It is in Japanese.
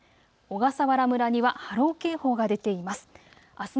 小笠原村には波浪警報が出ています。